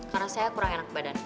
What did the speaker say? karena saya kurang enak badan